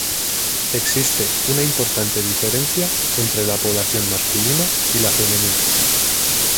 Existe una importante diferencia entre la población masculina y la femenina.